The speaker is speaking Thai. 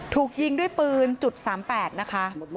ถูกยิงด้วยปืน๓๘นะคะ